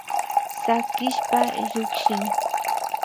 Sakishpa llukshin